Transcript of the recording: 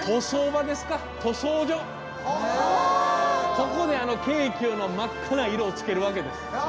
ここであの京急の真っ赤な色をつけるわけです。